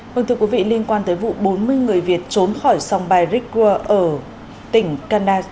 mừng thưa quý vị liên quan tới vụ bốn mươi người việt trốn khỏi sông bairikwa ở tỉnh kandahar